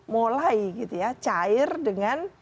mulai cair dengan